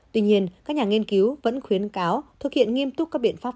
tuy nhiên các nhà nghiên cứu vẫn khuyến cáo thực hiện nghiêm túc các biện pháp